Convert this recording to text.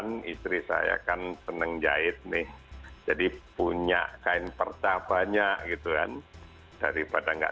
kan istri saya kan seneng jahit nih jadi punya kain perca banyak gitu kan daripada enggak